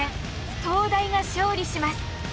東大が勝利します。